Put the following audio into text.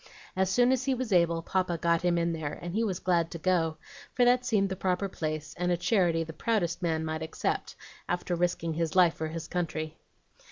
As soon as he was able, Papa got him in there, and he was glad to go, for that seemed the proper place, and a charity the proudest man might accept, after risking his life for his country.